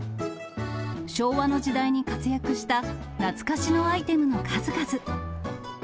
昭和の時代に活躍した懐かしのアイテムの数々。